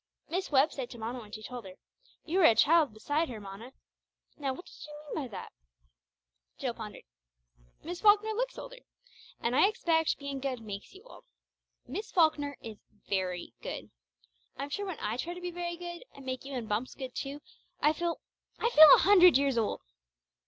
Miss Webb said to Mona when she told her, 'You are a child beside her, Mona.' Now, what did she mean by that?" Jill pondered. "Miss Falkner looks older. And I expect being good makes you old. Miss Falkner is very good. I'm sure when I try to be very good, and make you and Bumps good too, I feel I feel a hundred years old!"